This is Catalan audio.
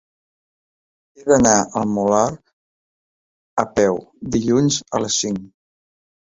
He d'anar al Molar a peu dilluns a les cinc.